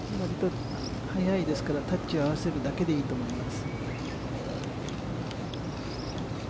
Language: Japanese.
速いですから、タッチを合わせるだけでいいと思います。